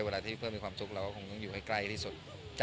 เวลาที่เพื่อนมีความสุขเราก็คงต้องอยู่ให้ใกล้ที่สุด